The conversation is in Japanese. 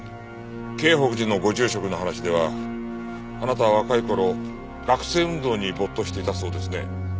京北寺のご住職の話ではあなたは若い頃学生運動に没頭していたそうですね。